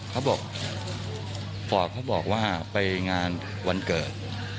เขาบอกฟอร์ดเขาบอกว่าไปงานวันเกิด